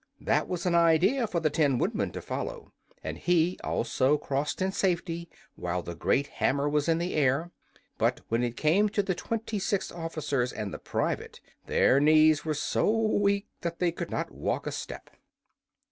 That was an idea for the Tin Woodman to follow, and he also crossed in safety while the great hammer was in the air. But when it came to the twenty six officers and the private, their knees were so weak that they could not walk a step.